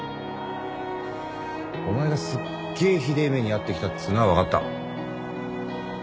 お前がすっげえひでえ目に遭ってきたっつうのは分かった。